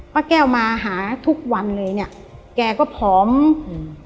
ป้าแก้วมาหาทุกวันเลยเนี้ยแกก็ผอมอืม